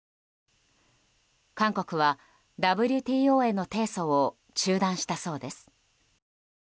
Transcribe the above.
韓国は、ＷＴＯへの提訴を中断したそうです。